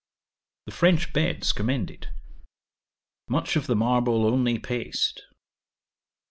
'The French beds commended. Much of the marble, only paste.